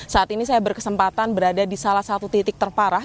saat ini saya berkesempatan berada di salah satu titik terparah